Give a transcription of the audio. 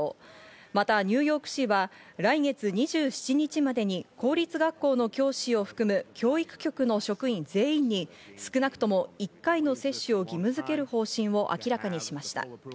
またニューヨーク市は来月２７日までに公立学校の教師を含む教育局の職員全員に少なくとも１回のワクチン接種を義務づける方針を明らかにしました。